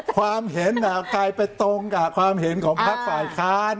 ความเห็นกลายไปตรงกับความเห็นของพักฝ่ายค้าน